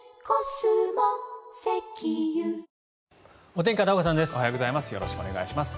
おはようございます。